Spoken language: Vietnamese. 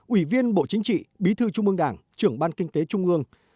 ủy viên bộ chính trị bí thư trung ương đảng trưởng ban kinh tế trung ương